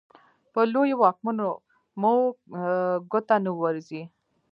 په لویو واکمنو مو ګوته نه ورځي.